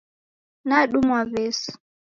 Nadumwa W'esu